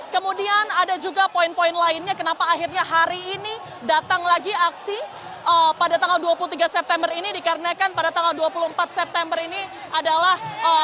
kemudian ada juga poin poin lainnya kenapa akhirnya hari ini datang lagi aksi pada tanggal dua puluh tiga september ini dikarenakan pada tanggal dua puluh empat september ini adalah